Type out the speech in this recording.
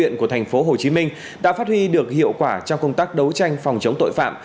công an thành phố hồ chí minh đã phát huy được hiệu quả trong công tác đấu tranh phòng chống tội phạm